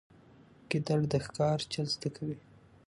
ګیدړ د ښکار چل زده کوي.